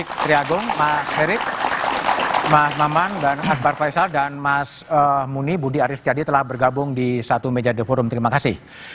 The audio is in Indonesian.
baik triagong mas herik mas mamang dan azbar faisal dan mas muni budi aris tiadi telah bergabung di satu meja the forum terima kasih